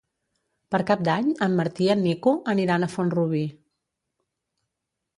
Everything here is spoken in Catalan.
Per Cap d'Any en Martí i en Nico aniran a Font-rubí.